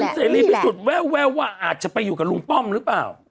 เสรีพิสุทธิ์แววว่าอาจจะไปอยู่กับลุงป้อมหรือเปล่า